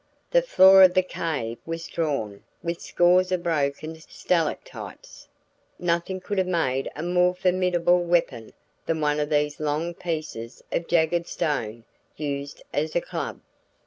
The floor of the cave was strewn with scores of broken stalactites; nothing could have made a more formidable weapon than one of these long pieces of jagged stone used as a club.